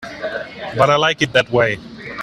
But I like it that way.